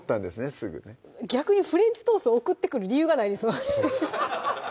すぐね逆にフレンチトースト送ってくる理由がないですもんね